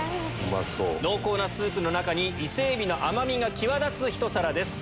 濃厚なスープの中に伊勢海老の甘みが際立つひと皿。